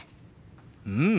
うん！